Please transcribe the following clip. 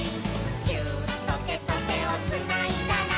「ギューッとてとてをつないだら」